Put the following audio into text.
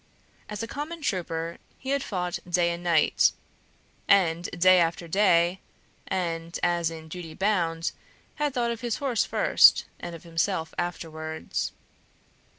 As a common trooper, he had fought day and night, and day after day, and, as in duty bound, had thought of his horse first, and of himself afterwards.